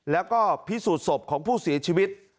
แล้วก็พิสูจน์ศพของผู้เสียชีวิต